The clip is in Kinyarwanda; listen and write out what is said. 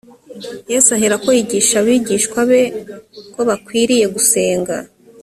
yesu aherako yigisha abigishwa be ko bakwiriye gusenga.